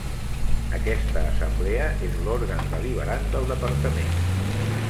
Aquesta assemblea és l'òrgan deliberant del departament.